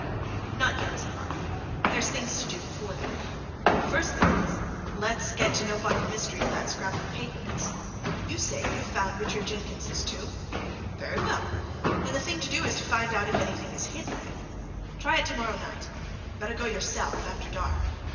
"Not yet," said Harker. "There's things to do before that. And the first thing is let's get to know what the mystery of that scrap of paper is. You say you've found Richard Jenkins's tomb? Very well then the thing to do is to find out if anything is hidden there. Try it tomorrow night. Better go by yourself after dark.